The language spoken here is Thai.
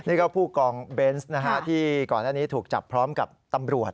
นี่ก็ผู้กองเบนส์นะฮะที่ก่อนหน้านี้ถูกจับพร้อมกับตำรวจ